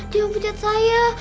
jangan pecat saya